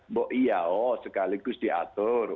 mbok iya oh sekaligus diatur